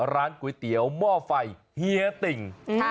ร้านก๋วยเตี๋ยวหม้อไฟเฮียติ่ง